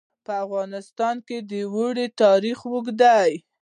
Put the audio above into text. په افغانستان کې د اوړي تاریخ اوږد دی.